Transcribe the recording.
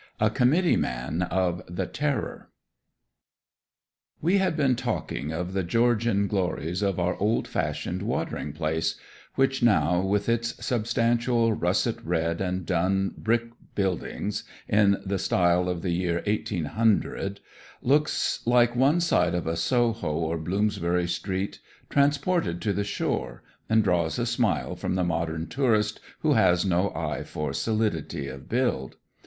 A COMMITTEE MAN OF 'THE TERROR' We had been talking of the Georgian glories of our old fashioned watering place, which now, with its substantial russet red and dun brick buildings in the style of the year eighteen hundred, looks like one side of a Soho or Bloomsbury Street transported to the shore, and draws a smile from the modern tourist who has no eye for solidity of build.